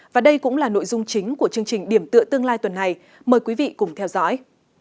và đây cũng là nội dung chính của chương trình điểm tựa tương lai tuần này mời quý vị cùng theo dõi